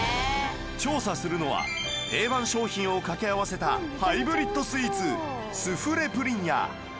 調査するのは定番商品を掛け合わせたハイブリッドスイーツスフレ・プリンや